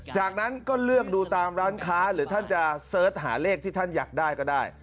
จากนั้นก็เลือกดูตามร้านค้าหรือท่านจะเสิร์ชหาเลขที่ท่านอยากได้ก็ได้